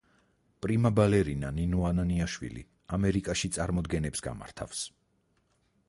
პრიმა ბალერინა ნინო ანანიაშვილი ამერიკაში წარმოდგენებს გამართავს.